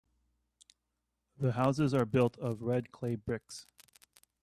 The houses are built of red clay bricks.